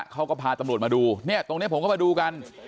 เขาก็พาตำรวจมาดูเนี่ยตรงนี้ผมก็มาดูกัน